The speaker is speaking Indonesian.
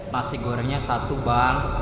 masih gorengnya satu bang